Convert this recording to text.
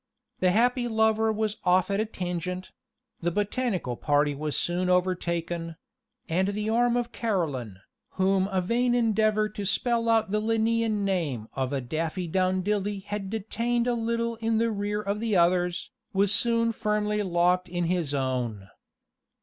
The happy lover was off at a tangent; the botanical party was soon overtaken; and the arm of Caroline, whom a vain endeavor to spell out the Linnæan name of a daffy down dilly had detained a little in the rear of the others, was soon firmly locked in his own.